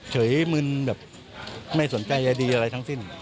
เฉยมึนแบบไม่สนใจใยดีอะไรทั้งสิ้น